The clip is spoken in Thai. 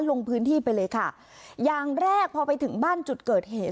ลงพื้นที่ไปเลยค่ะอย่างแรกพอไปถึงบ้านจุดเกิดเหตุ